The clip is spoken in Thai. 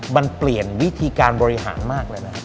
มันเปลี่ยนวิธีการบริหารมากเลยนะ